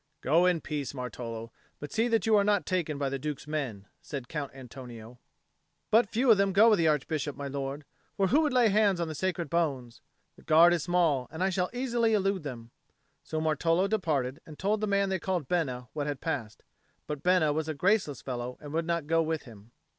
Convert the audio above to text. "Go in peace, Martolo; but see that you are not taken by the Duke's men," said Count Antonio. "But few of them go with the Archbishop, my lord. For who would lay hands on the sacred bones? The guard is small, and I shall easily elude them." So Martolo departed, and told the man they called Bena what had passed; but Bena was a graceless fellow and would not go with him.